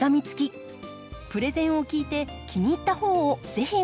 プレゼンを聞いて気に入った方を是非植えてみて下さい。